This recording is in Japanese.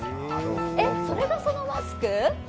えっ、それがそのマスク？